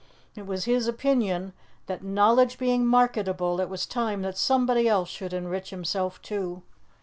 It was his opinion that, knowledge being marketable, it was time that somebody else should enrich himself too.